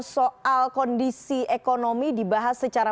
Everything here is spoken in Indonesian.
soal kondisi ekonomi dibahas secara